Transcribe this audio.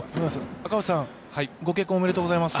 赤星さん、ご結婚おめでとうございます。